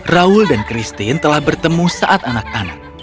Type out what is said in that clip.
raul dan christine telah bertemu saat anak anak